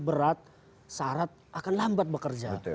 berat syarat akan lambat bekerja